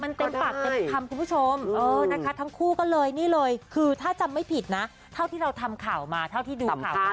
มันเต็มปากเต็มคำคุณผู้ชมนะคะทั้งคู่ก็เลยนี่เลยคือถ้าจำไม่ผิดนะเท่าที่เราทำข่าวมาเท่าที่ดูข่าว